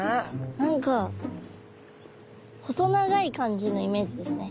何か細長い感じのイメージですね。